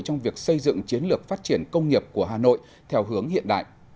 trong việc xây dựng chiến lược phát triển công nghiệp của hà nội theo hướng hiện đại